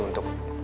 untuk mencari aku